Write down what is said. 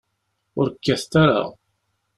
Ur kkatet ara.